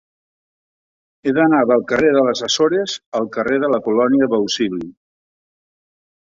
He d'anar del carrer de les Açores al carrer de la Colònia Bausili.